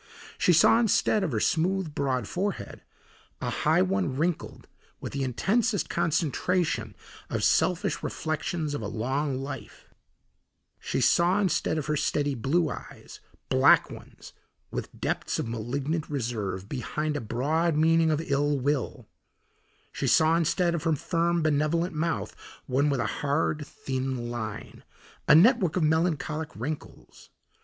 She saw instead of her smooth, broad forehead, a high one wrinkled with the intensest concentration of selfish reflections of a long life; she saw instead of her steady blue eyes, black ones with depths of malignant reserve, behind a broad meaning of ill will; she saw instead of her firm, benevolent mouth one with a hard, thin line, a network of melancholic wrinkles.